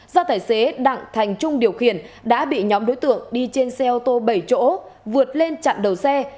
do tài xế đặng thành trung điều khiển đã bị nhóm đối tượng đi trên xe ô tô bảy chỗ vượt lên chặn đầu xe